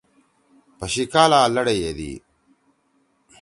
پشیِکالا لڑے یدی۔